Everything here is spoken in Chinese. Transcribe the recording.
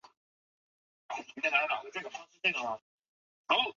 西班牙希望能清除与西属荷兰之间的障碍。